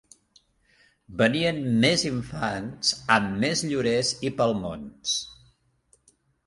Venien més infants amb més llorers i palmons